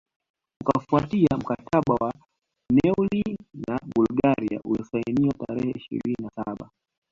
Ukafuatia mkataba wa Neuilly na Bulgaria uliosainiwa tarehe ishirini na saba